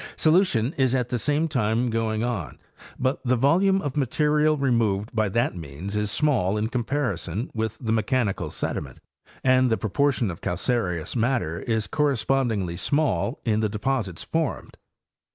Solution is at the same time going on, butethe volume of material removed by that means is small in comparison with the mechanical sediment, and the pro portion of calcareous matter is correspondingly small in the de posits formed.